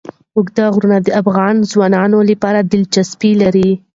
اوږده غرونه د افغان ځوانانو لپاره دلچسپي لري.